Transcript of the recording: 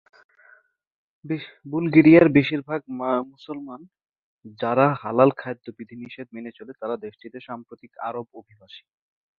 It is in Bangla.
বুলগেরিয়ার বেশিরভাগ মুসলমান যারা হালাল খাদ্য বিধিনিষেধ মেনে চলে তারা দেশটিতে সাম্প্রতিক আরব অভিবাসী।